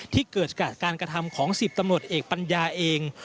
ที่เกิดจากการกระทำของ๑๐ตำรวจเอกปัญญาเอง